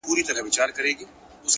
د هدف وضاحت د ذهن لارې صفا کوي!